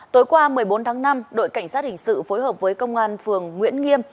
tối qua một mươi bốn tháng năm đội cảnh sát hình sự phối hợp với công an phường nguyễn nghiêm